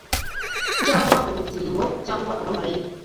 cyangwa ubugingo, cyangwa abamalayika